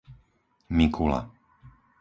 Mikula